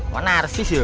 wah narsis ya